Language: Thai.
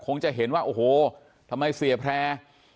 จะเห็นว่าโอ้โหทำไมเสียแพร่